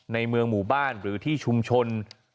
ในเมืองหมู่บ้านหรือที่ชุมชน